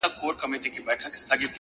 ښه نیت نیمه نیکي ده.!